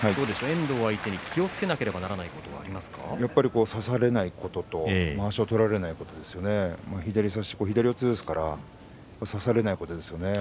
遠藤を相手に気をつけないといけないところは差されないことそしてまわしを取られないことですね、左四つですから差されないことです。